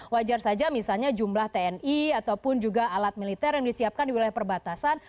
wajar saja misalnya jumlah tni ataupun juga alat militer yang disiapkan di wilayah perbatasan